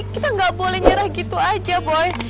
kita nggak boleh nyerah gitu aja boy